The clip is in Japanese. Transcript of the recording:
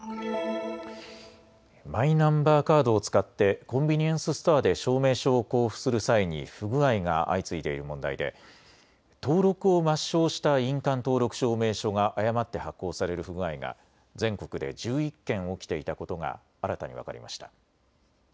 マイナンバーカードを使ってコンビニエンスストアで証明書を交付する際に不具合が相次いでいる問題で登録を抹消した印鑑登録証明書が誤って発行される不具合が全国で１１件起きていたことが新たに分かりました。